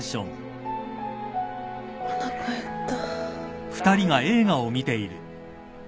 おなか減った。